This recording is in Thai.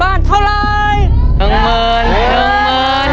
ว่าจะได้โบนัสกลับไปบ้านเท่าไร